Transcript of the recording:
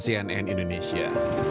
dan cnn indonesia